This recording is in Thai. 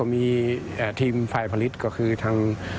มีกลิ่นหอมกว่า